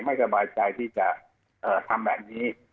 ไม่สบายใจที่จะทำแบบนี้